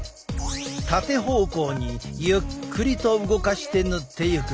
タテ方向にゆっくりと動かして塗っていく。